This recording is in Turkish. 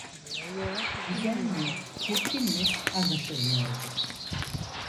Güzel mi, çirkin mi anlaşılmıyordu.